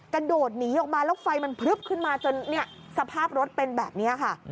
กระโดดหนีออกมาแล้วไฟมันพลึบขึ้นมาจนสภาพรถเป็นแบบนี้ค่ะ